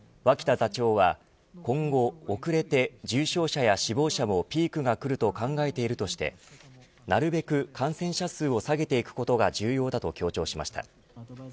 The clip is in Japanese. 脇田座長は、今後遅れて重症者や死亡者もピークがくると考えているとしてなるべく感染者数を下げていくことが重要だと強調しました。